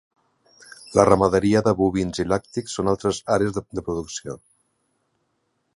La ramaderia de bovins i làctics són altres àrees de producció.